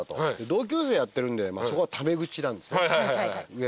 同級生やってるんでそこはタメ口なんです上も下もなく。